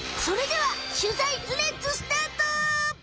それでは取材レッツスタート！